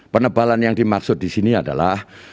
penebalan yang dimaksud di sini adalah